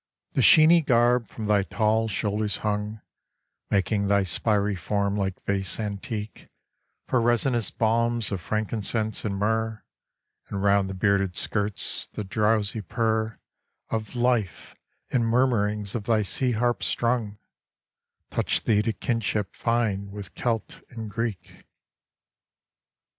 The sheeny garb from thy tall shoulders hung, Making thy spiry form like vase antique For resinous balms of frankincense and myrrh, And round the bearded skirts the drowsy purr Of life, and murmurings of thy sea harp strung, Touch thee to kinship fine with Celt and Greek.